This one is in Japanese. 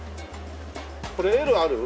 これＬある？